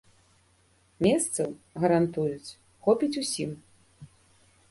Месцаў, гарантуюць, хопіць усім.